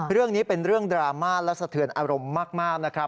เรื่องนี้เป็นเรื่องดราม่าและสะเทือนอารมณ์มากนะครับ